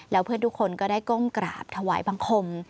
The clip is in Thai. แล้วเพื่อนทุกคนก็ได้ก้มกราบถวายบังคม